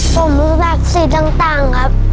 ผมรู้แบบสี่ต่างครับ